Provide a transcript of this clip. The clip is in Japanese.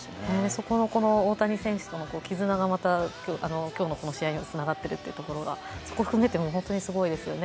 そこの大谷選手との絆がまた、今日のこの試合にはつながっているというところが、そこを含めて本当にすごいですよね。